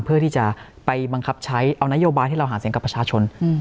เพื่อที่จะไปบังคับใช้เอานโยบายที่เราหาเสียงกับประชาชน